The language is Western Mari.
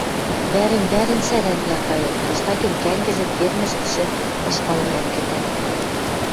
вӓрӹн-вӓрӹн сӓрӓнвлӓ кайыт, кыштакен кӓнгӹжӹм фермӹштӹшӹ ышкалвлӓм кӹтӓт.